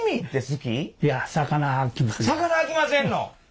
魚あきませんの？